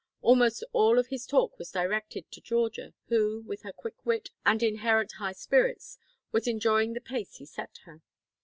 Almost all of his talk was directed to Georgia, who, with her quick wit and inherent high spirits, was enjoying the pace he set her.